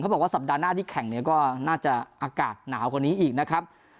เขาบอกว่าสัปดาห์หน้าที่แข่งก็น่าจะอากาศหนาวคนนี้อีกนะครับ